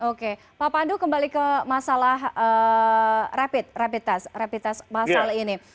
oke pak pandu kembali ke masalah rapid rapid test rapid test masal ini